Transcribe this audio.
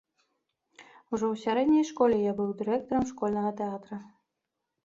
Ужо ў сярэдняй школе я быў дырэктарам школьнага тэатра.